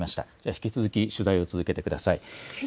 引き続き取材を続けてください。